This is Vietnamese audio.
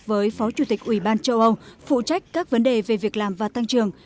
với phó chủ tịch ủy ban châu âu phụ trách các vấn đề về việc làm và tăng trường